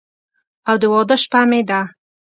او د واده شپه مې ده